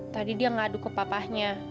tadi dia ngaduk ke papahnya